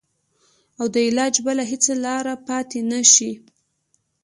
او د علاج بله هېڅ لاره پاته نه شي.